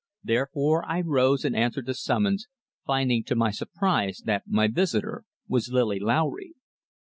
Therefore I rose and answered the summons, finding to my surprise that my visitor was Lily Lowry.